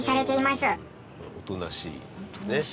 おとなしいねっ。